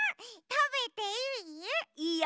たべていい？いいよ。